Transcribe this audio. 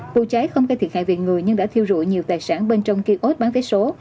vụ cháy không cây thiệt hại viện người nhưng đã thiêu rùi nhiều tài sản bên trong kiên ốt bán vé số